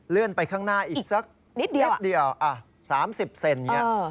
เลื่อนไปข้างหน้าอีกสักนิดเดียวสามสิบเซนเนี่ย